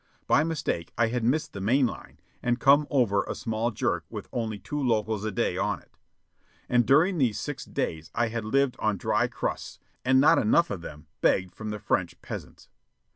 By mistake I had missed the main line and come over a small "jerk" with only two locals a day on it. And during these six days I had lived on dry crusts, and not enough of them, begged from the French peasants.